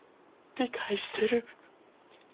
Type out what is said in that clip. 理解してる！